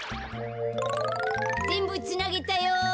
ぜんぶつなげたよ。